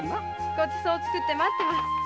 ごちそう作って待ってます。